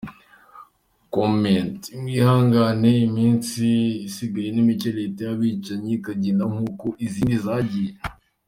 Comment:mwihangangane iminsi isigaye nimike leta yabicanyi ikagenda nkuko izindi zagiye